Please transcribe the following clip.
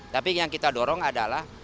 tapi yang kita dorong adalah